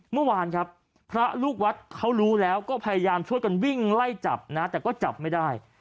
เมื่อวานครับพระลูกวัดเขารู้แล้วก็พยายามช่วยกันวิ่งไล่จับนะแต่ก็จับไม่ได้